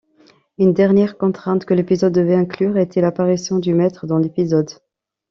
Une dernière contrainte que l'épisode devait inclure était l'apparition du Maître dans l'épisode.